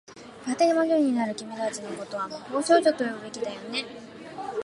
やがて魔女になる君たちの事は、魔法少女と呼ぶべきだよね。